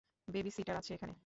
Babysitter আছে এখানে।